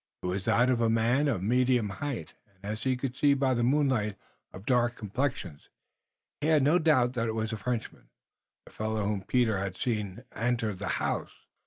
It was that of a man of medium height, and as he could see by the moonlight, of dark complexion. He had no doubt that it was a Frenchman, the fellow whom Peter had seen enter the house.